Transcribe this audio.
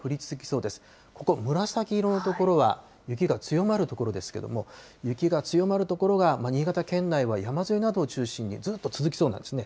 ここ、紫色の所は雪が強まる所ですけれども、雪が強まる所が、新潟県内は山沿いなどを中心にずっと続きそうなんですね。